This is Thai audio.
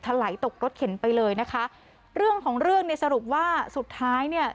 ไหลตกรถเข็นไปเลยนะคะเรื่องของเรื่องเนี่ยสรุปว่าสุดท้ายเนี่ย